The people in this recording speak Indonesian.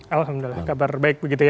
alhamdulillah kabar baik begitu ya